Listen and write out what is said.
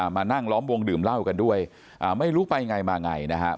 มานั่งล้อมวงดื่มเหล้ากันด้วยไม่รู้ไปไงมาไงนะครับ